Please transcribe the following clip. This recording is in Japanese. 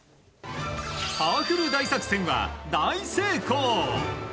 パワフル大作戦は大成功。